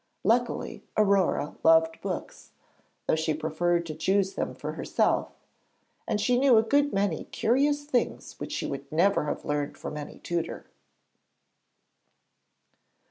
Luckily Aurore loved books, though she preferred to choose them for herself, and she knew a good many curious things which she would never have learned from any tutor.